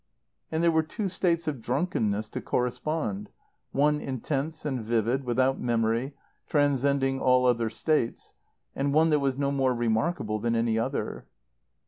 And there were two states of drunkenness to correspond: one intense and vivid, without memory, transcending all other states; and one that was no more remarkable than any other.